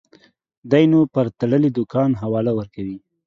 دى نو پر تړلي دوکان حواله ورکوي.